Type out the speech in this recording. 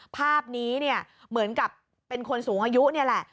ภาพนี้เนี่ยเหมือนกับเป็นคนสูงอายุนี่แหละ